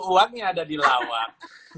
uangnya ada di lawak